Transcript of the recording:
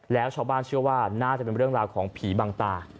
แล้วชาวบ้านเชื่อว่าน่าจะเป็นเรื่องราวของผีบังตา